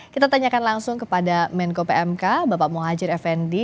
kita tanyakan langsung kepada menko pmk bapak muhajir effendi